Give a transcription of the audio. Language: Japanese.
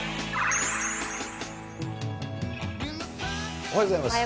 おはようございます。